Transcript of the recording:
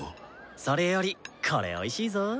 それよりこれおいしいぞ。